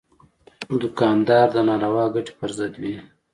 دوکاندار د ناروا ګټې پر ضد وي.